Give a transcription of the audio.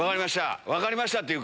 分かりました。